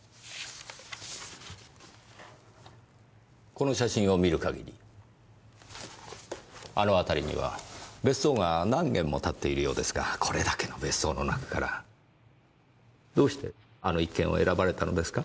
この写真を見る限りあの辺りには別荘が何軒も建っているようですがこれだけの別荘の中からどうしてあの一軒を選ばれたのですか？